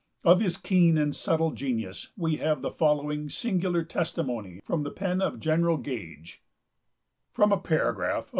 Of his keen and subtle genius we have the following singular testimony from the pen of General Gage: "From a paragraph of M.